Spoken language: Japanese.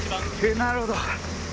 なるほど。